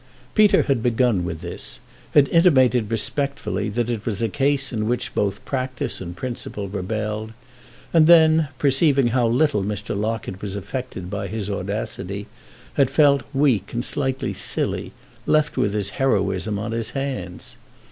Peter had begun with this, had intimated respectfully that it was a case in which both practice and principle rebelled, and then, perceiving how little Mr. Locket was affected by his audacity, had felt weak and slightly silly, left with his heroism on his hands.